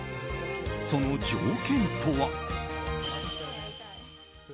その条件とは。